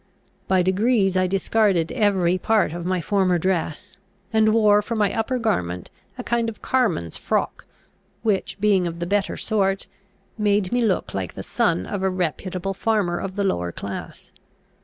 By degrees I discarded every part of my former dress, and wore for my upper garment a kind of carman's frock, which, being of the better sort, made me look like the son of a reputable farmer of the lower class.